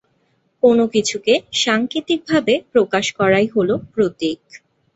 কোন কিছুকে সাংকেতিক ভাবে প্রকাশ করাই হলো প্রতীক।